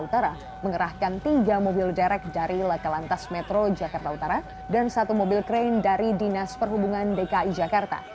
utara mengerahkan tiga mobil derek dari laka lantas metro jakarta utara dan satu mobil krain dari dinas perhubungan dki jakarta